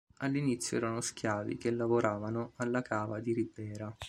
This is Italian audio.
All'inizio erano schiavi che lavoravano alla cava di Ribera.